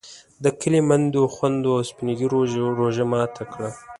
د کلي میندو، خویندو او سپین ږیرو روژه ماته کړه.